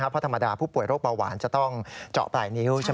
เพราะธรรมดาผู้ป่วยโรคเบาหวานจะต้องเจาะปลายนิ้วใช่ไหม